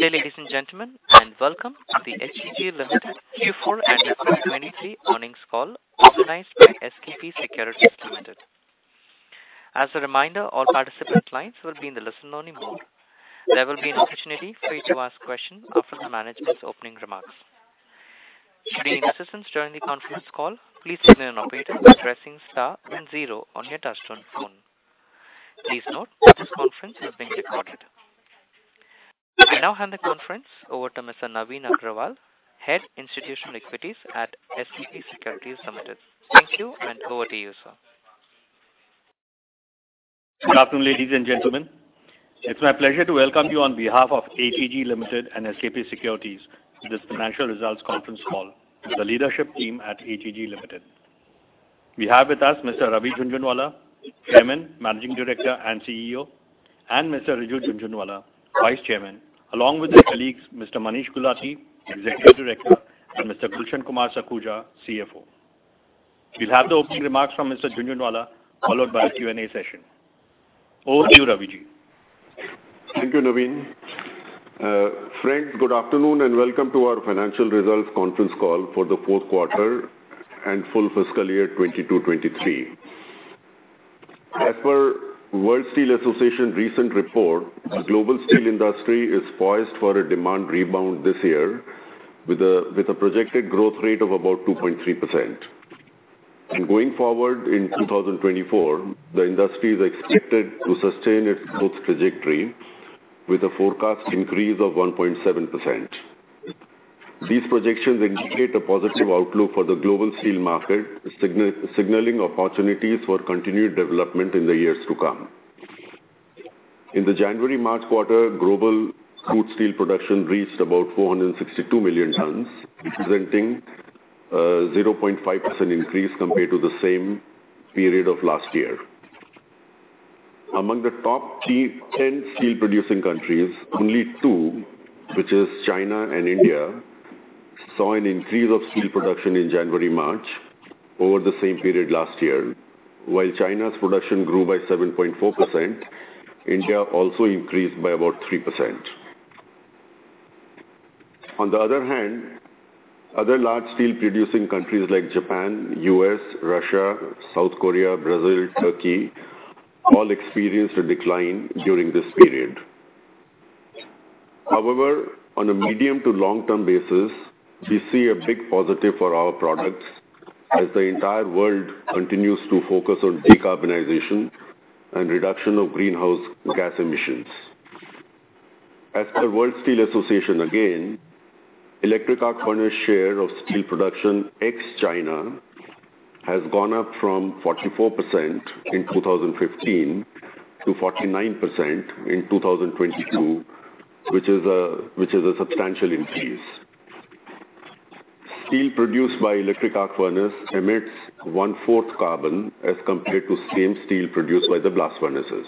Good day, ladies and gentlemen, welcome to the HEG Limited Q4 and FY 2023 Earnings Call, organized by SKP Securities Limited. As a reminder, all participant lines will be in the listen-only mode. There will be an opportunity for you to ask questions after the management's opening remarks. For any assistance during the conference call, please turn your operator by pressing star and zero on your touchtone phone. Please note that this conference is being recorded. I now hand the conference over to Mr. Navin Agrawal, Head Institutional Equities at SKP Securities Limited. Thank you, over to you, sir. Good afternoon, ladies and gentlemen. It's my pleasure to welcome you on behalf of HEG Limited and SKP Securities to this financial results conference call, the leadership team at HEG Limited. We have with us Mr. Ravi Jhunjhunwala, Chairman, Managing Director, and CEO, and Mr. Riju Jhunjhunwala, Vice Chairman, along with their colleagues, Mr. Manish Gulati, Executive Director, and Mr. Gulshan Kumar Sakhuja, CFO. We'll have the opening remarks from Mr. Jhunjhunwala, followed by a Q&A session. Over to you, Raviji. Thank you, Navin. Friends, good afternoon, and welcome to our financial results conference call for the fourth quarter and full fiscal year 2022-2023. As per World Steel Association recent report, the global steel industry is poised for a demand rebound this year with a projected growth rate of about 2.3%. Going forward, in 2024, the industry is expected to sustain its growth trajectory with a forecast increase of 1.7%. These projections indicate a positive outlook for the global steel market, signaling opportunities for continued development in the years to come. In the January-March quarter, global crude steel production reached about 462 million tons, representing 0.5% increase compared to the same period of last year. Among the top key 10 steel-producing countries, only two, which is China and India, saw an increase of steel production in January, March over the same period last year. While China's production grew by 7.4%, India also increased by about 3%. On the other hand, other large steel-producing countries like Japan, U.S., Russia, South Korea, Brazil, and Turkey, all experienced a decline during this period. However, on a medium to long-term basis, we see a big positive for our products as the entire world continues to focus on decarbonization and reduction of greenhouse gas emissions. As the World Steel Association, again, electric arc furnace share of steel production, ex-China, has gone up from 44% in 2015 to 49% in 2022, which is a substantial increase. Steel produced by electric arc furnace emits one-fourth carbon as compared to same steel produced by the blast furnaces.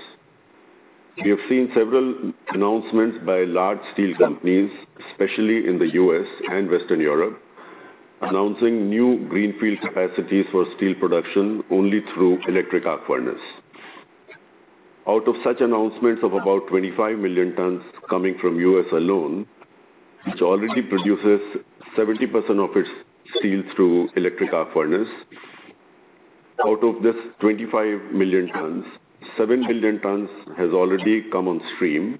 We have seen several announcements by large steel companies, especially in the U.S. and Western Europe, announcing new greenfield capacities for steel production only through electric arc furnace. Out of such announcements of about 25 million tons coming from U.S. alone, which already produces 70% of its steels through electric arc furnace. Out of this 25 million tons, 7 million tons has already come on stream,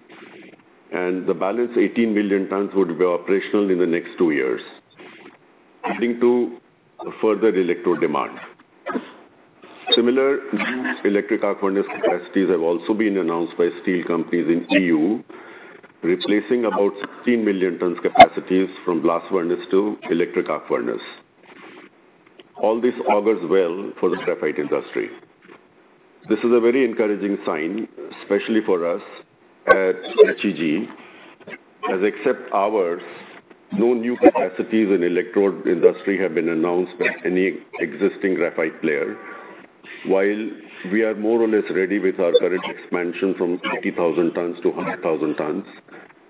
and the balance, 18 million tons, would be operational in the next 2 years, adding to further electrode demand. Similar new electric arc furnace capacities have also been announced by steel companies in EU, replacing about 16 million tons capacities from blast furnace to electric arc furnace. All this augurs well for the graphite industry. This is a very encouraging sign, especially for us at HEG, as except ours, no new capacities in electrode industry have been announced by any existing graphite player. While we are more or less ready with our current expansion from 80,000 tons to 100,000 tons,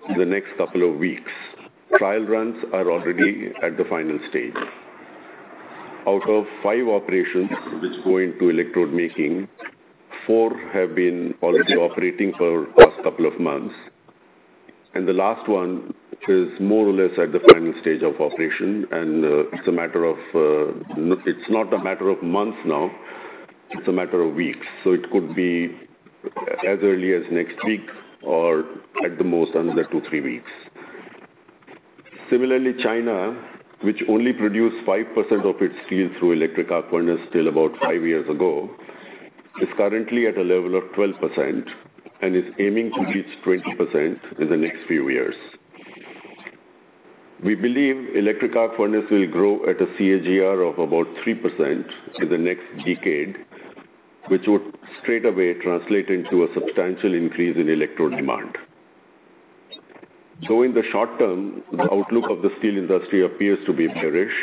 in the next couple of weeks, trial runs are already at the final stage. Out of five operations which go into electrode making, four have been already operating for the past couple of months, the last one is more or less at the final stage of operation. It's not a matter of months now, it's a matter of weeks. It could be as early as next week or at the most, another 2, 3 weeks. Similarly, China, which only produced 5% of its steel through electric arc furnace till about 5 years ago, is currently at a level of 12% and is aiming to reach 20% in the next few years. We believe electric arc furnace will grow at a CAGR of about 3% in the next decade, which would straight away translate into a substantial increase in electrode demand. In the short term, the outlook of the steel industry appears to be bearish.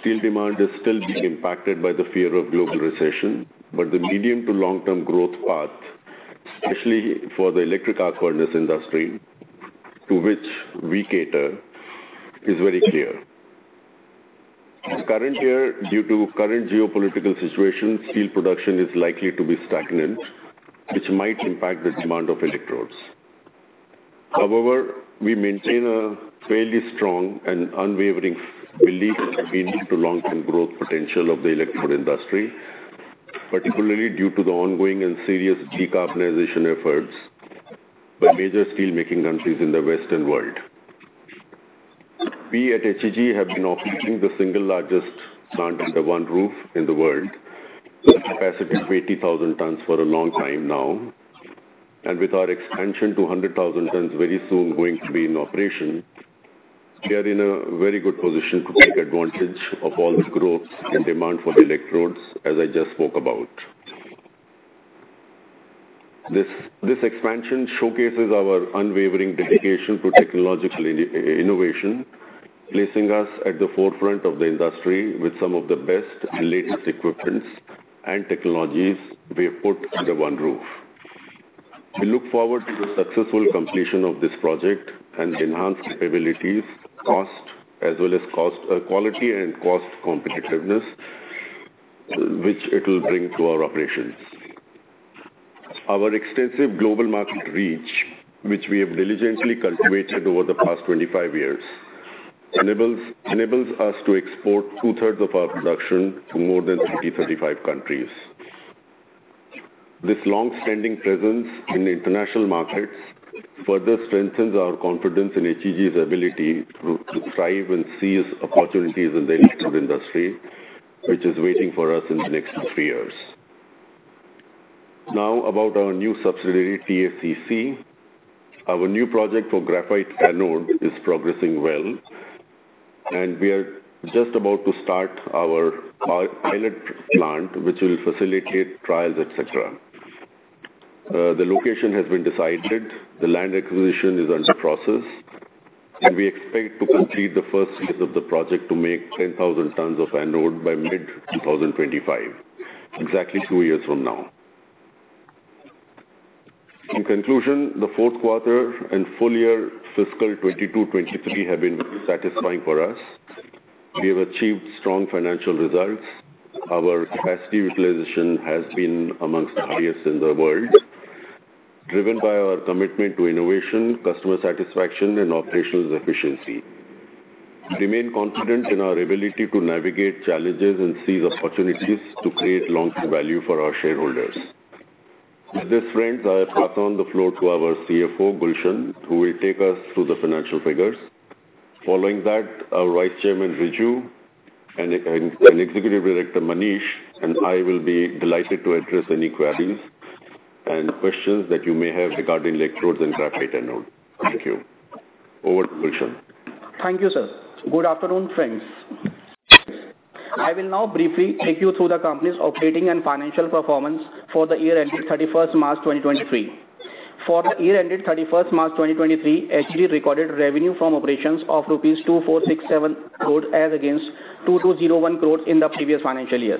Steel demand is still being impacted by the fear of global recession, but the medium to long-term growth path, especially for the electric arc furnace industry, to which we cater, is very clear. In the current year, due to current geopolitical situation, steel production is likely to be stagnant, which might impact the demand of electrodes. We maintain a fairly strong and unwavering belief in the long-term growth potential of the electrode industry, particularly due to the ongoing and serious decarbonization efforts by major steelmaking countries in the Western world. We at HEG have been operating the single largest plant under one roof in the world, with a capacity of 80,000 tons for a long time now, and with our expansion to 100,000 tons very soon going to be in operation, we are in a very good position to take advantage of all the growth and demand for the electrodes, as I just spoke about. This expansion showcases our unwavering dedication to technological innovation, placing us at the forefront of the industry with some of the best and latest equipment and technologies we have put under one roof. We look forward to the successful completion of this project and enhanced capabilities, cost, as well as quality and cost competitiveness, which it will bring to our operations. Our extensive global market reach, which we have diligently cultivated over the past 25 years, enables us to export two-thirds of our production to more than 35 countries. This long-standing presence in the international markets further strengthens our confidence in HEG's ability to thrive and seize opportunities in the electrode industry, which is waiting for us in the next 3 years. Now, about our new subsidiary, TACC. Our new project for graphite anode is progressing well, and we are just about to start our pilot plant, which will facilitate trials, et cetera. The location has been decided, the land acquisition is under process, and we expect to complete the first phase of the project to make 10,000 tons of anode by mid-2025, exactly 2 years from now. The fourth quarter and full year fiscal 2022-2023 have been satisfying for us. We have achieved strong financial results. Our capacity utilization has been amongst the highest in the world, driven by our commitment to innovation, customer satisfaction and operations efficiency. We remain confident in our ability to navigate challenges and seize opportunities to create long-term value for our shareholders. Friends, I pass on the floor to our CFO, Gulshan, who will take us through the financial figures. Following that, our Vice Chairman Riju and Executive Director Manish and I will be delighted to address any queries and questions that you may have regarding electrodes and graphite anode. Thank you. Over to Gulshan. Thank you, sir. Good afternoon, friends. I will now briefly take you through the company's operating and financial performance for the year ending 31st March 2023. For the year ended 31st March 2023, HEG recorded revenue from operations of rupees 2,467 crores as against 2,201 crores in the previous financial year.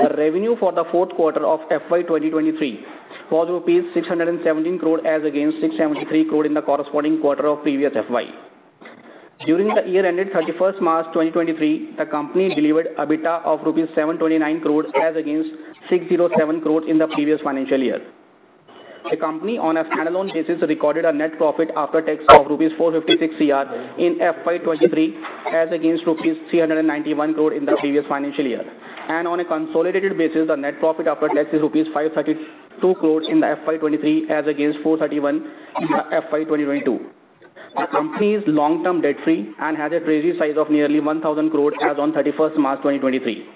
The revenue for the fourth quarter of FY 2023 was rupees 617 crore, as against 673 crore in the corresponding quarter of previous FY. During the year ended 31st March 2023, the company delivered an EBITDA of INR 729 crores, as against INR 607 crores in the previous financial year. The company, on a standalone basis, recorded a net profit after tax of rupees 456 crore in FY 2023, as against rupees 391 crore in the previous financial year. On a consolidated basis, the net profit after tax is rupees 532 crores in the FY 2023, as against 431 in the FY 2022. The company is long-term debt-free and has a treasury size of nearly 1,000 crores as on 31st March 2023.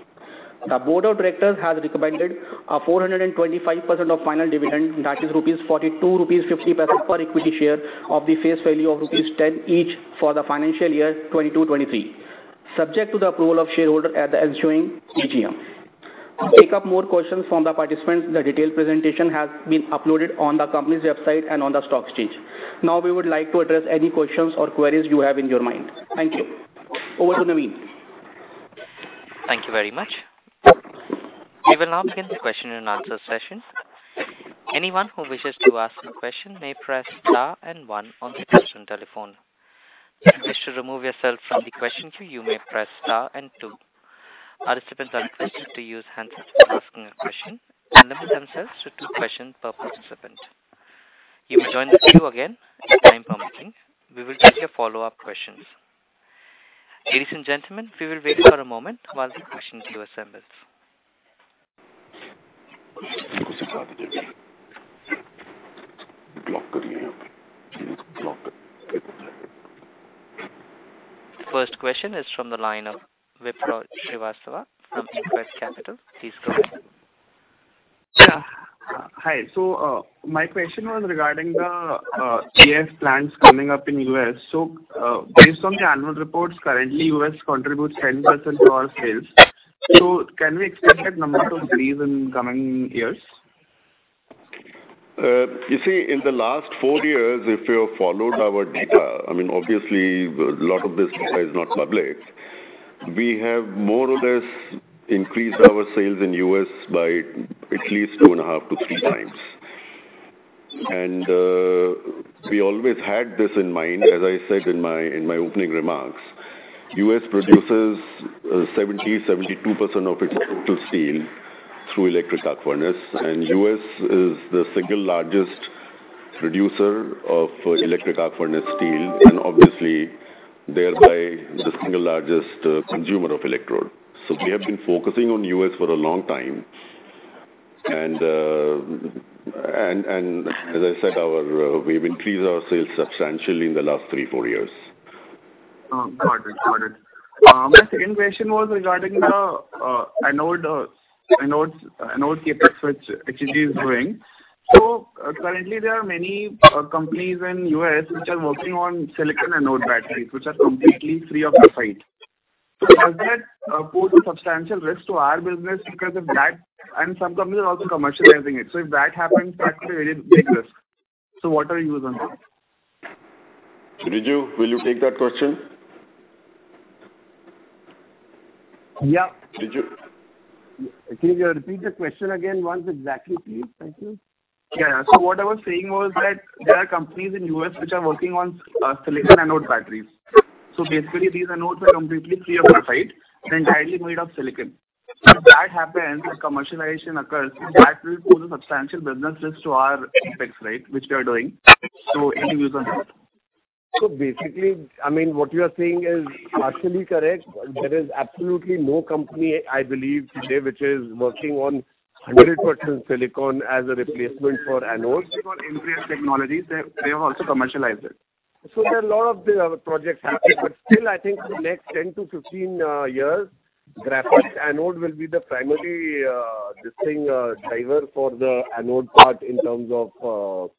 The board of directors has recommended a 425% of final dividend, that is 42.50 rupees per equity share of the face value of rupees 10 each for the financial year 2022-2023, subject to the approval of shareholder at the ensuing AGM. To take up more questions from the participants, the detailed presentation has been uploaded on the company's website and on the stock exchange. Now, we would like to address any questions or queries you have in your mind. Thank you. Over to Navin. Thank you very much. We will now begin the question and answer session. Anyone who wishes to ask a question may press star one on the touchtone telephone. If you wish to remove yourself from the question queue, you may press star two. Our participants are requested to use handsets when asking a question and limit themselves to two questions per participant. You may join the queue again if time permitting. We will take your follow-up questions. Ladies and gentlemen, we will wait for a moment while the question queue assembles. The first question is from the line of Vipul Srivastava from Quest Capital. Please go ahead. Hi. My question was regarding the EAF plants coming up in U.S. Based on the annual reports, currently, U.S. contributes 10% to our sales. Can we expect that number to increase in coming years? You see, in the last four years, if you have followed our data, I mean, obviously, a lot of this data is not public. We have more or less increased our sales in U.S. by at least 2.5-3 times. We always had this in mind, as I said in my opening remarks. U.S. produces 70-72% of its total steel through electric arc furnace, and U.S. is the single largest producer of electric arc furnace steel, and obviously, thereby, the single largest consumer of electrode. We have been focusing on U.S. for a long time, and, as I said, our, we've increased our sales substantially in the last 3-4 years. Oh, got it, got it. My second question was regarding the anode CapEx, which HEG is doing. Currently, there are many companies in the U.S. which are working on silicon anode batteries, which are completely free of graphite. Does that pose a substantial risk to our business? Because and some companies are also commercializing it, so if that happens, that could be a big risk. What are your views on that? Riju, will you take that question? Yeah. Riju? Can you repeat the question again once exactly, please? Thank you. Yeah. What I was saying was that there are companies in U.S. which are working on silicon anode batteries. Basically, these anodes are completely free of graphite and entirely made of silicon. If that happens and commercialization occurs, that will pose a substantial business risk to our CapEx, right, which we are doing. Any views on that? Basically, I mean, what you are saying is partially correct. There is absolutely no company, I believe, today, which is working on 100% silicon as a replacement for anodes. For Enphase Energy, they have also commercialized it. There are a lot of projects happening, but still, I think for the next 10 to 15 years, graphite anode will be the primary distinct driver for the anode part in terms of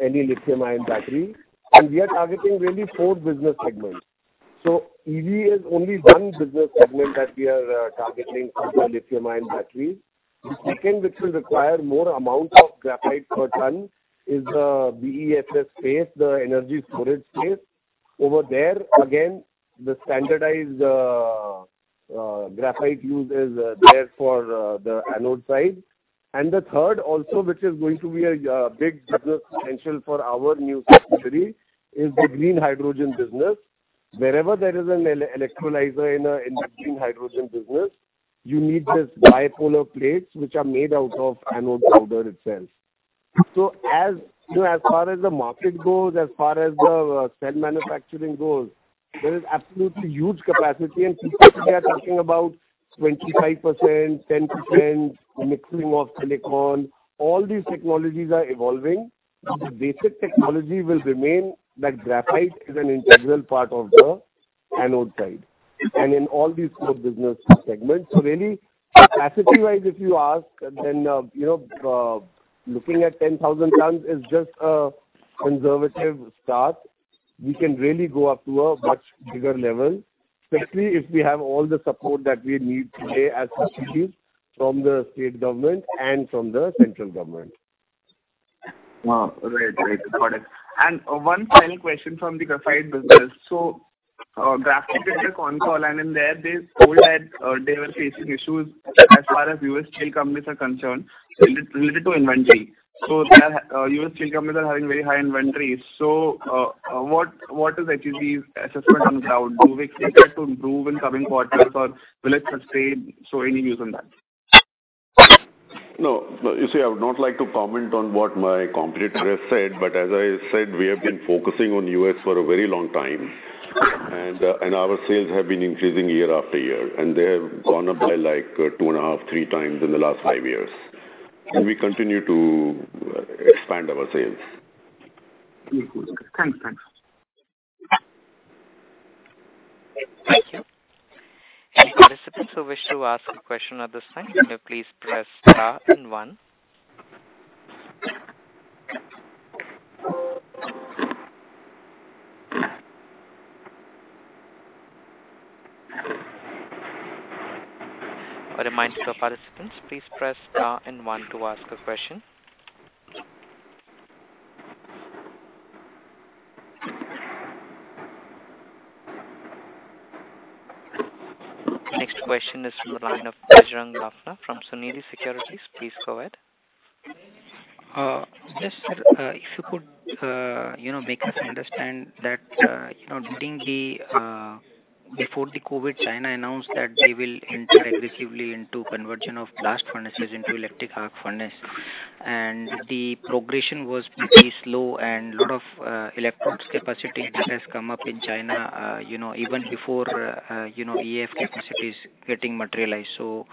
any lithium-ion battery. We are targeting really four business segments. EV is only one business segment that we are targeting for the lithium-ion battery. The second, which will require more amount of graphite per ton, is the BESS space, the energy storage space. Over there, again, the standardized graphite use is there for the anode side. The third also, which is going to be a big business potential for our new capacity, is the green hydrogen business. Wherever there is an electrolyzer in green hydrogen business, you need this bipolar plates, which are made out of anode powder itself. As, you know, as far as the market goes, as far as the cell manufacturing goes, there is absolutely huge capacity, and people today are talking about 25%, 10% mixing of silicon. All these technologies are evolving. The basic technology will remain that graphite is an integral part of the anode side, and in all these four business segments. Really, capacity-wise, if you ask, then, you know, looking at 10,000 tons is just a conservative start. We can really go up to a much bigger level, especially if we have all the support that we need today as HEG from the state government and from the central government. Right. Right. Got it. One final question from the graphite business. GrafTech did a console, and in there they told that they were facing issues as far as U.S. steel companies are concerned, related to inventory. U.S. steel companies are having very high inventories. What is HEG's assessment on the cloud? Do we expect it to improve in coming quarters, or will it sustain? Any views on that? No. You see, I would not like to comment on what my competitors have said. As I said, we have been focusing on U.S. for a very long time, and our sales have been increasing year after year, and they have gone up by, like, two and a half, three times in the last five years. We continue to expand our sales. Thanks, thanks. Thank you. Any participants who wish to ask a question at this time, may please press star and one. A reminder to our participants, please press star and one to ask a question. Next question is from the line of Tejrang Larna from Suniti Securities. Please go ahead. If you could make us understand that during the before the COVID, China announced that they will enter aggressively into conversion of blast furnaces into electric arc furnace, and the progression was pretty slow, and a lot of electrode capacity that has come up in China, even before EAF capacities getting materialized. So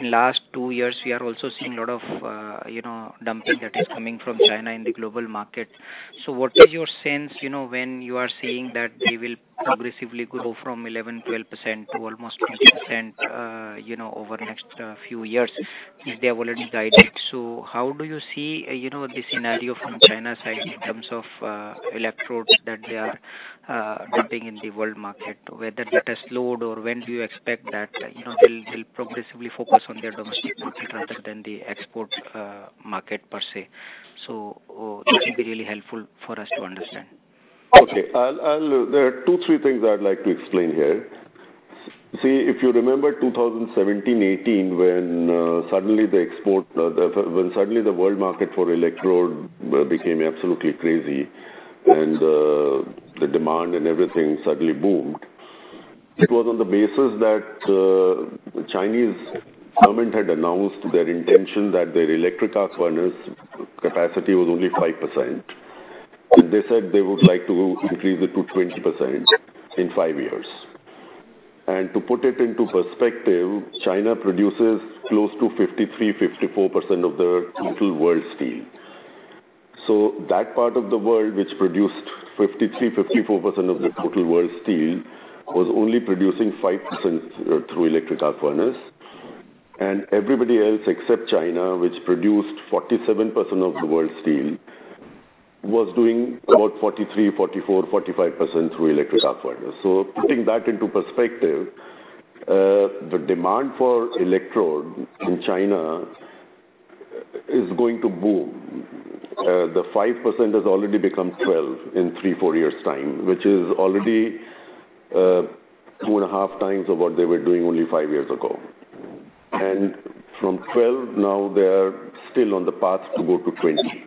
in last 2 years, we are also seeing a lot of dumping that is coming from China in the global market. So what is your sense when you are saying that they will progressively grow from 11%-12% to almost 20% over the next few years, if they have already guided How do you see, you know, the scenario from China's side in terms of electrodes that they are dumping in the world market? Whether that has slowed, or when do you expect that, you know, they'll progressively focus on their domestic market rather than the export market per se? That will be really helpful for us to understand. Okay. I'll. There are two, three things I'd like to explain here. If you remember 2017, 2018, when suddenly the export, when suddenly the world market for electrode became absolutely crazy, and the demand and everything suddenly boomed, it was on the basis that the Chinese government had announced their intention that their electric arc furnace capacity was only 5%, and they said they would like to increase it to 20% in 5 years. To put it into perspective, China produces close to 53%-54% of the total world steel. That part of the world, which produced 53%-54% of the total world steel, was only producing 5% through electric arc furnace. Everybody else except China, which produced 47% of the world's steel, was doing about 43%, 44%, 45% through electric arc furnace. Putting that into perspective, the demand for electrode in China is going to boom. The 5% has already become 12 in 3, 4 years' time, which is already two and a half times of what they were doing only 5 years ago. From 12, now they are still on the path to go to 20.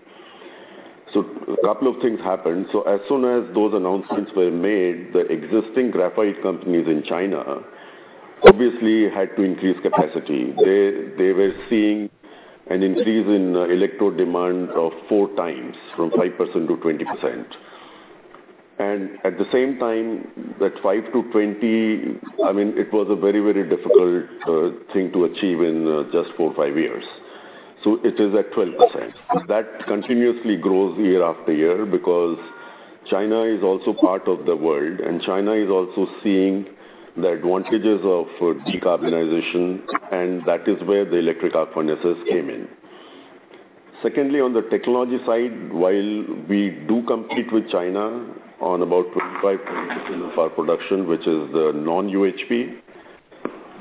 A couple of things happened. As soon as those announcements were made, the existing graphite companies in China obviously had to increase capacity. They were seeing an increase in electrode demand of 4 times, from 5% to 20%. At the same time, that 5%-20%, I mean, it was a very, very difficult thing to achieve in just 4, 5 years. It is at 12%. That continuously grows year after year because China is also part of the world, and China is also seeing the advantages of decarbonization, and that is where the electric arc furnaces came in. Secondly, on the technology side, while we do compete with China on about 25% of our production, which is the non-UHP,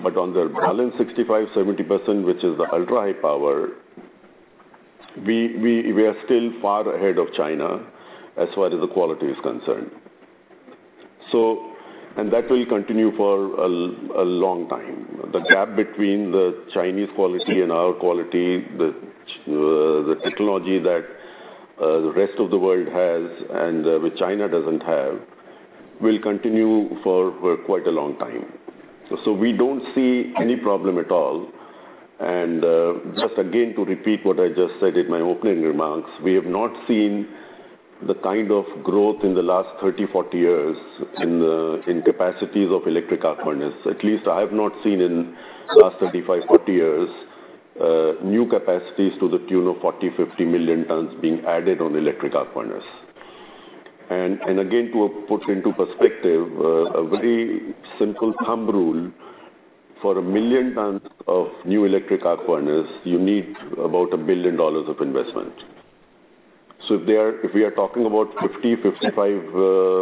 but on the balance, 65%-70%, which is the ultra-high power, we are still far ahead of China as far as the quality is concerned. That will continue for a long time. The gap between the Chinese quality and our quality, the technology that the rest of the world has and which China doesn't have, will continue for quite a long time. We don't see any problem at all. Just again, to repeat what I just said in my opening remarks, we have not seen the kind of growth in the last 30, 40 years in capacities of electric arc furnace. At least I have not seen in the last 35, 40 years, new capacities to the tune of 40, 50 million tons being added on electric arc furnace. Again, to put into perspective, a very simple thumb rule, for 1 million tons of new electric arc furnace, you need about $1 billion of investment. If we are talking about 50, 55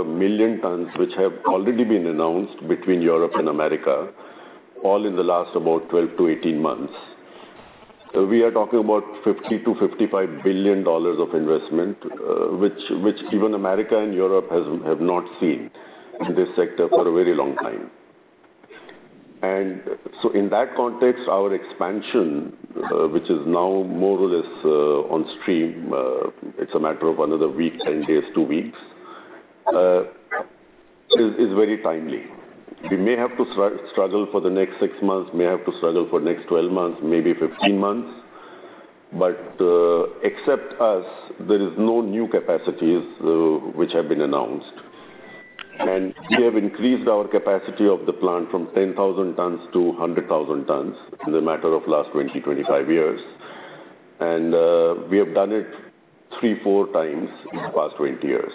million tons, which have already been announced between Europe and America, all in the last about 12 to 18 months, we are talking about $50 billion to $55 billion of investment, which even America and Europe have not seen in this sector for a very long time. In that context, our expansion, which is now more or less on stream, it's a matter of another week, 10 days, 2 weeks, is very timely. We may have to struggle for the next 6 months, may have to struggle for next 12 months, maybe 15 months, but except us, there is no new capacities which have been announced. We have increased our capacity of the plant from 10,000 tons to 100,000 tons in a matter of last 20-25 years. We have done it 3-4 times in the past 20 years.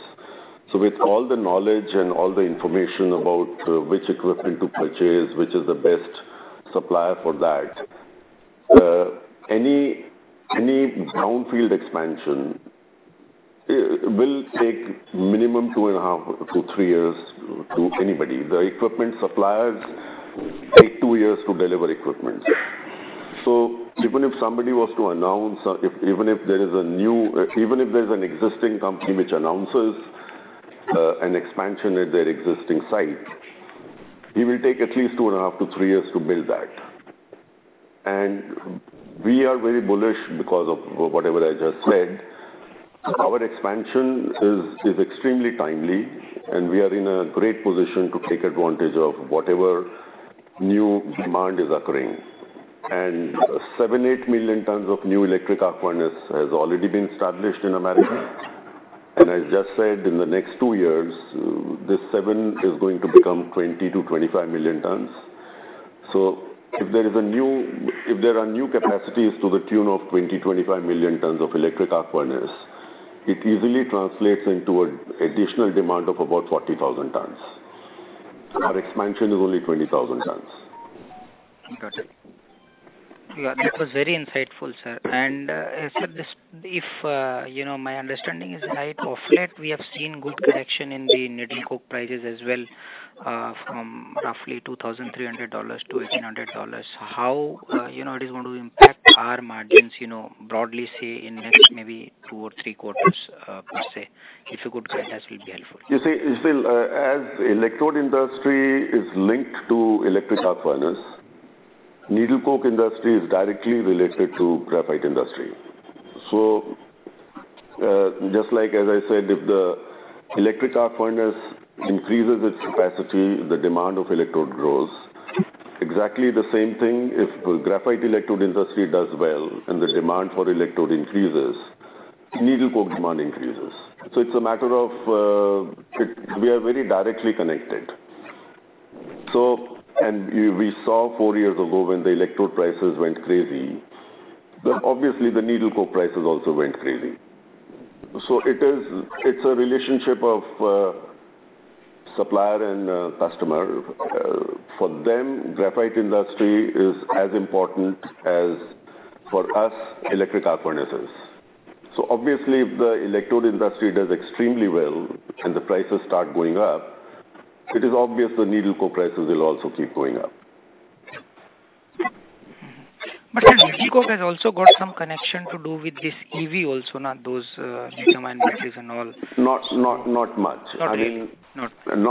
With all the knowledge and all the information about which equipment to purchase, which is the best supplier for that, any brownfield expansion will take minimum 2.5-3 years to anybody. The equipment suppliers take 2 years to deliver equipment. Even if somebody was to announce, even if there's an existing company which announces an expansion at their existing site, it will take at least 2.5-3 years to build that. We are very bullish because of whatever I just said. Our expansion is extremely timely, and we are in a great position to take advantage of whatever new demand is occurring, and 7-8 million tons of new electric arc furnace has already been established in America. I just said, in the next 2 years, this 7 is going to become 20-25 million tons. If there are new capacities to the tune of 20-25 million tons of electric arc furnace, it easily translates into an additional demand of about 40,000 tons. Our expansion is only 20,000 tons. Got it. Yeah, that was very insightful, sir. Sir, this, if, you know, my understanding is right, of late, we have seen good correction in the needle coke prices as well, from roughly $2,300 to $1,800. How it is going to impact our margins, you know, broadly say in next maybe 2 or 3 quarters, per se, if you could guide us, it will be helpful? You see, still, as electrode industry is linked to electric arc furnace, needle coke industry is directly related to graphite industry. Just like as I said, if the electric arc furnace increases its capacity, the demand of electrode grows. Exactly the same thing, if the graphite electrode industry does well and the demand for electrode increases, needle coke demand increases. It's a matter of, we are very directly connected. We saw four years ago when the electrode prices went crazy, the obviously, the needle coke prices also went crazy. It is, it's a relationship of supplier and customer. For them, graphite industry is as important as for us, electric arc furnaces. Obviously, if the electrode industry does extremely well and the prices start going up, it is obvious the needle coke prices will also keep going up. Sir, needle coke has also got some connection to do with this EV also, not those, demand mixes and all? Not much. Not really? I mean,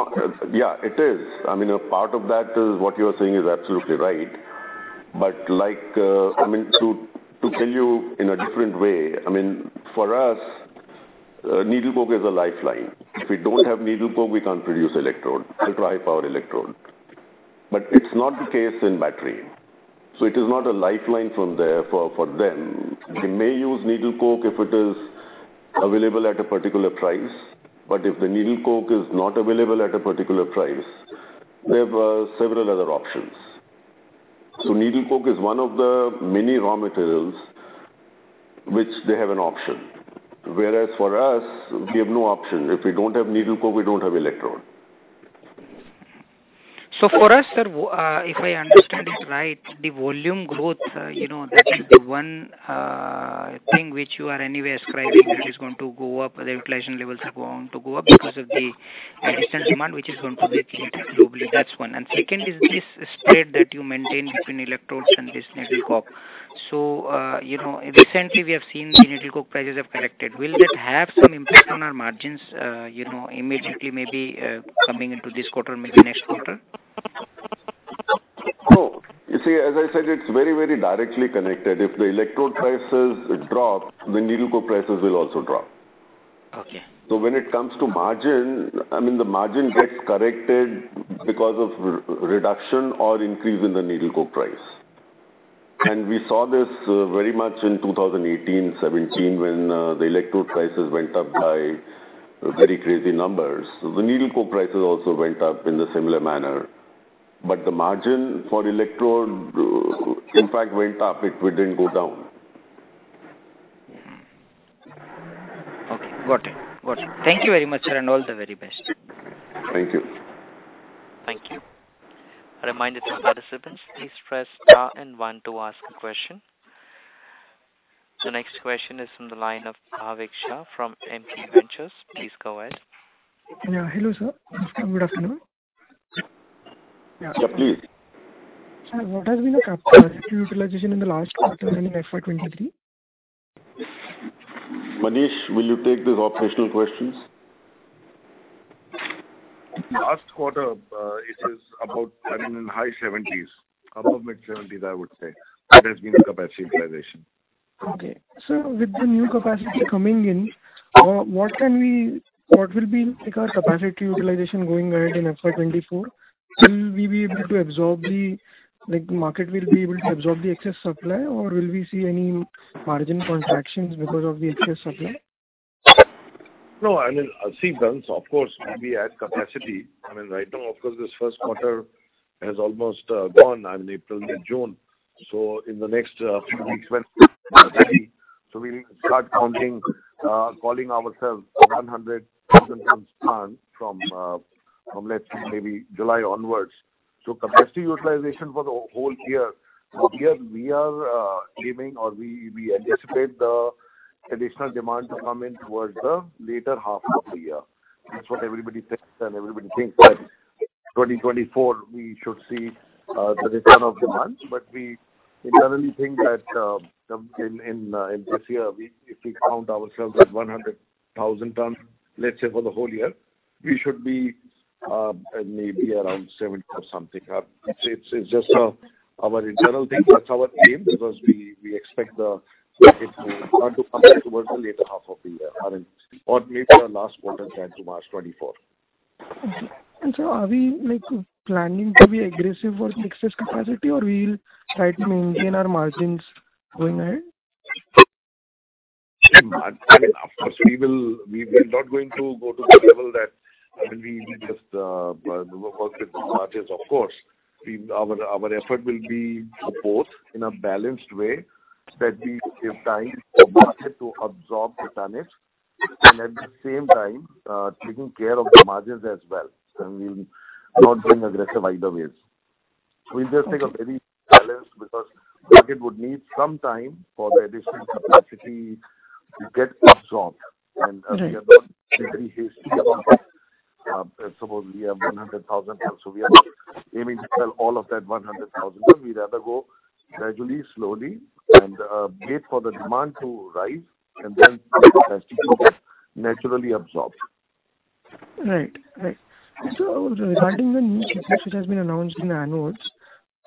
yeah, it is. I mean, a part of that is what you are saying is absolutely right. Like, I mean, to tell you in a different way, I mean, for us, needle coke is a lifeline. If we don't have needle coke, we can't produce electrode, the dry power electrode. It's not the case in battery. It is not a lifeline from there for them. They may use needle coke if it is available at a particular price, but if the needle coke is not available at a particular price, they have several other options. Needle coke is one of the many raw materials which they have an option, whereas for us, we have no option. If we don't have needle coke, we don't have electrode. For us, sir, if I understand it right, the volume growth, you know, that is the one thing which you are anyway ascribing, that is going to go up, the utilization levels are going to go up because of the additional demand which is going to be created globally. That's one. Second is this spread that you maintain between electrodes and this needle coke. You know, recently we have seen the needle coke prices have corrected. Will that have some impact on our margins, you know, immediately, maybe, coming into this quarter, maybe next quarter? Oh, you see, as I said, it's very, very directly connected. If the electrode prices drop, the needle coke prices will also drop. Okay. When it comes to margin, I mean, the margin gets corrected because of reduction or increase in the needle coke price. We saw this very much in 2018, 2017, when the electrode prices went up by very crazy numbers. The needle coke prices also went up in the similar manner, but the margin for electrode, in fact, went up, it wouldn't go down. Okay, got it. Got it. Thank you very much, sir, and all the very best. Thank you. Thank you. A reminder to participants, please press star and one to ask a question. The next question is from the line of Avik Shah from MK Ventures. Please go ahead. Yeah, hello sir. Good afternoon. Yeah, please. Sir, what has been the capacity utilization in the last quarter in FY 2023? Manish, will you take these operational questions? Last quarter, it is about, I mean, in high seventies, above mid-seventies, I would say. That has been the capacity utilization. Okay. Sir, with the new capacity coming in, what will be, like, our capacity utilization going ahead in FY 2024? Like, market will be able to absorb the excess supply, or will we see any margin contractions because of the excess supply? I mean, see, then, of course, we add capacity. I mean, right now, of course, this first quarter has almost gone in April to June. In the next few weeks when we are ready, we will start counting, calling ourselves 100,000 tons from, let's say, maybe July onwards. Capacity utilization for the whole year, here we are aiming, or we anticipate the additional demand to come in towards the later half of the year. That's what everybody says, and everybody thinks that 2024, we should see the return of demand. We internally think that, in this year, we, if we count ourselves as 100,000 tons, let's say for the whole year, we should be maybe around 70 or something. It's just our internal thing. That's our aim, because we expect the market to start to come back towards the later half of the year or later our last quarter, that's March 2024. Okay. Sir, are we, like, planning to be aggressive with the excess capacity, or we'll try to maintain our margins going ahead? I mean, of course, we're not going to go to the level that, I mean, we will just work with the margins, of course. We, our effort will be both in a balanced way, that we give time for the market to absorb the tonnage, and at the same time, taking care of the margins as well. We'll not being aggressive either ways. We'll just take a very balanced, because market would need some time for the additional capacity to get absorbed. Right. We are not very hasty about it. Suppose we have 100,000 tons, so we are aiming to sell all of that 100,000 tons. We'd rather go gradually, slowly, and wait for the demand to rise and then the rest will get naturally absorbed. Right. Right. Regarding the new success which has been announced in anodes,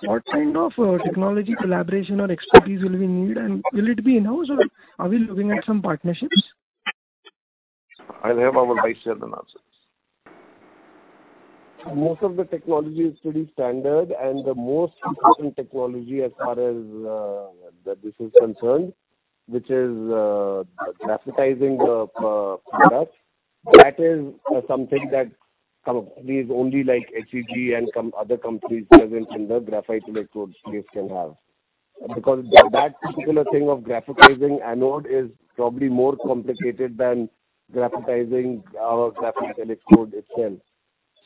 what kind of technology, collaboration or expertise will we need? Will it be in-house or are we looking at some partnerships? I'll have Aman share the answers. Most of the technology is pretty standard, the most important technology as far as that this is concerned, which is graphitizing the product. That is something that companies only like HEG and some other companies present in the graphite electrode space can have. That particular thing of graphitizing anode is probably more complicated than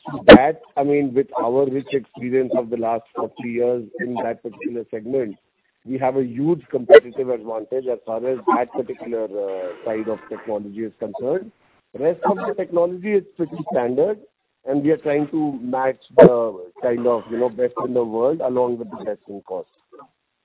graphitizing our graphite electrode itself. That, I mean, with our rich experience of the last 40 years in that particular segment, we have a huge competitive advantage as far as that particular side of technology is concerned. Rest of the technology is pretty standard, we are trying to match the kind of, you know, best in the world along with the best in cost.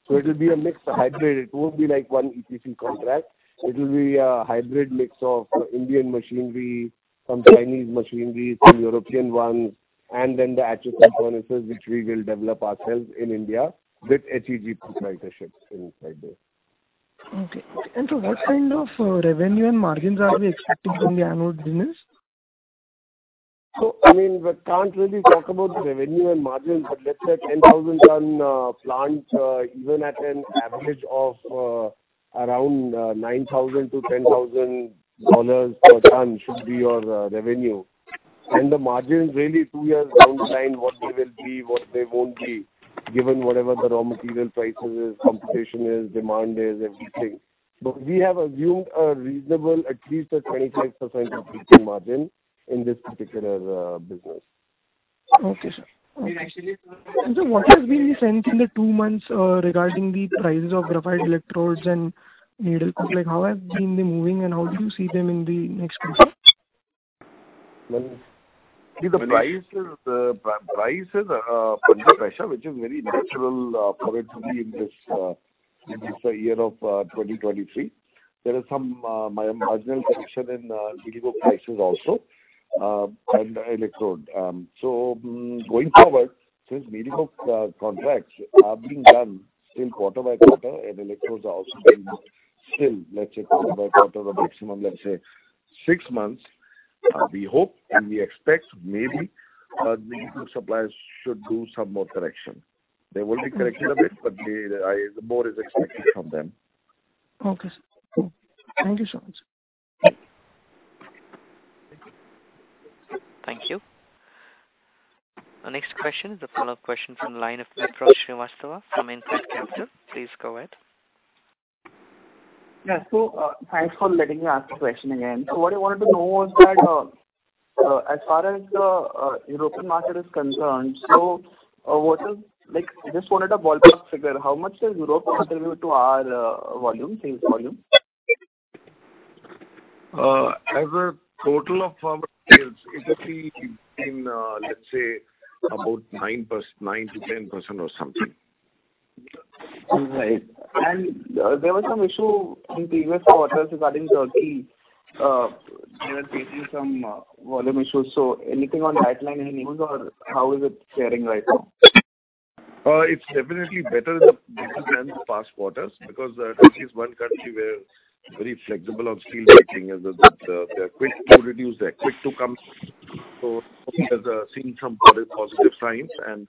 It will be a mixed hybrid. It won't be like 1 EPC contract. It will be a hybrid mix of Indian machinery, some Chinese machinery, some European ones, and then the electric furnaces, which we will develop ourselves in India with HEG partnerships inside there. Okay. What kind of revenue and margins are we expecting from the anode business? I mean, we can't really talk about the revenue and margins, but let's say 10,000 ton plant, even at an average of around $9,000-$10,000 per ton should be your revenue. The margins, really, 2 years down the line, what they will be, what they won't be, given whatever the raw material prices is, competition is, demand is, everything. We have assumed a reasonable, at least a 25% contribution margin in this particular business. Okay, sir. What has been the trend in the 2 months, regarding the prices of graphite electrodes and needle? Like, how have been they moving, and how do you see them in the next quarter? The price is under pressure, which is very natural for it to be in this year of 2023. There are some marginal correction in needle prices also and the electrode. Going forward, since needle contracts are being done in quarter by quarter, and electrodes are also being still, let's say, quarter by quarter or maximum, let's say, 6 months, we hope and we expect maybe needle suppliers should do some more correction. They will be corrected a bit. More is expected from them. Okay, sir. Cool. Thank you so much, sir. Thank you. Thank you. Our next question is a follow-up question from line of Nitin Srivastava from Inside Capital. Please go ahead. Yeah. Thanks for letting me ask the question again. What I wanted to know was that, as far as the European market is concerned, Like, I just wanted a ballpark figure. How much does Europe contribute to our, volume, sales volume? As a total of our sales, it would be in, let's say, about 9%-10% or something. Right. There was some issue in previous quarters regarding Turkey. They were facing some volume issues. Anything on that line, any news, or how is it faring right now? It's definitely better than the past quarters, because Turkey is one country where very flexible on steel making, and they're quick to reduce, they're quick to come. Turkey has seen some positive signs and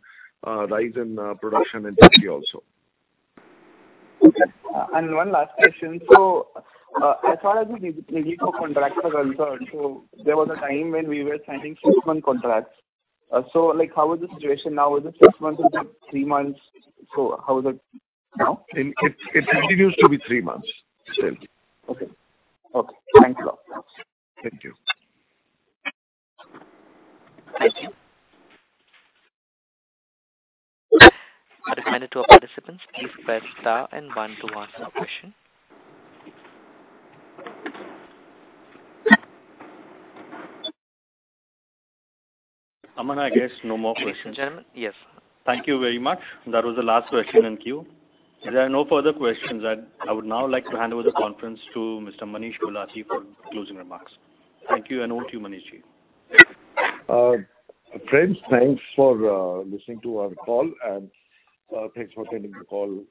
rise in production in Turkey also. Okay. One last question: As far as the needle contracts are concerned, there was a time when we were signing six-month contracts. Like, how is the situation now? Is it six months or three months? How is it now? It continues to be three months still. Okay. Okay. Thank you. Thank you. Thank you. A reminder to our participants, please press star and one to ask a question. Aman, I guess no more questions. Yes. Thank you very much. That was the last question in queue. There are no further questions, I would now like to hand over the conference to Mr. Manish Gulati for closing remarks. Thank you, and over to you, Manish Ji. Friends, thanks for listening to our call, thanks for attending the call.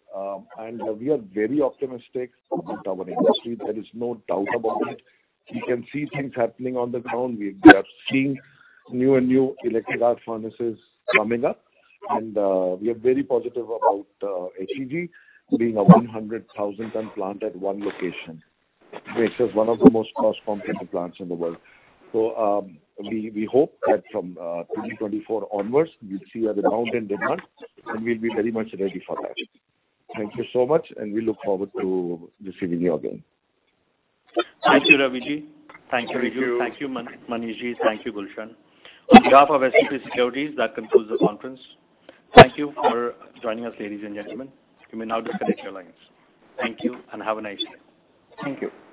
We are very optimistic about our industry. There is no doubt about it. We can see things happening on the ground. We are seeing new and new electric arc furnaces coming up, we are very positive about HEG putting a 100,000 ton plant at one location, which is one of the most cost-effective plants in the world. We hope that from 2024 onwards, we'll see a rebound in demand, we'll be very much ready for that. Thank you so much, we look forward to receiving you again. Thank you, Ravi Ji. Thank you. Thank you. Thank you, Manish Ji. Thank you, Gulshan. On behalf of SKP Securities, that concludes the conference. Thank you for joining us, ladies and gentlemen. You may now disconnect your lines. Thank you, and have a nice day. Thank you.